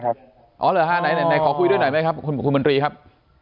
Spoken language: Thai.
อ๋อเหลือ๕นายขอพูดด้วยไหมครับคุณบนรีครับ